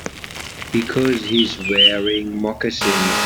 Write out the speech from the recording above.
Because he's wearing moccasins.